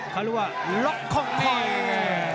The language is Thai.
เขารู้ว่าล็อกคล่องคล่อง